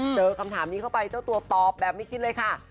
เจอคำถามนี้เข้าไปเจ้าตัวตอบแบบไม่คิดเลยค่ะ